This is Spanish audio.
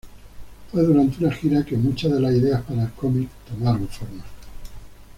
Fue durante una gira que muchas de las ideas para el comic tomó forma.